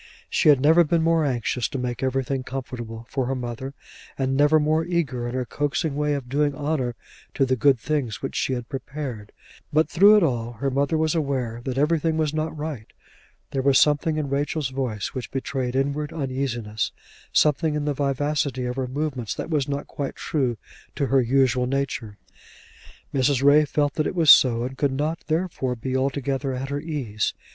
She had never been more anxious to make everything comfortable for her mother, and never more eager in her coaxing way of doing honour to the good things which she had prepared; but, through it all, her mother was aware that everything was not right; there was something in Rachel's voice which betrayed inward uneasiness; something in the vivacity of her movements that was not quite true to her usual nature. Mrs. Ray felt that it was so, and could not therefore be altogether at her ease.